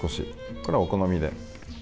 これはお好みで。